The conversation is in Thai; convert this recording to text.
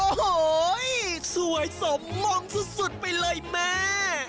โอ้โหสวยสมมงสุดไปเลยแม่